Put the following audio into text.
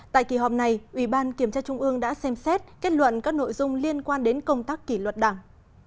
tại kỳ họp này ủy ban kiểm tra trung ương đã xem xét kết luận các nội dung liên quan đến công tác kỷ luật đảng